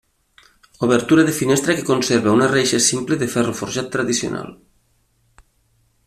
Obertura de finestra que conserva una reixa simple de ferro forjat tradicional.